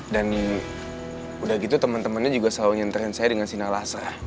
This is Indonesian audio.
dan udah gitu teman temannya juga selalu nyenterin saya dengan si nalasa